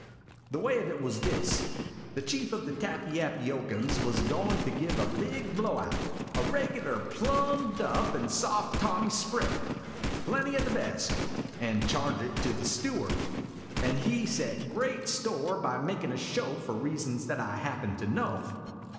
The way of it was this : the chief of the Tappyappyocans was goin' to give a big blow out a regular plum duff and soft Tommy spread : plenty o' the best, and charge it to the steward ; and he set great store by makin' a show for reasons that I happen to know.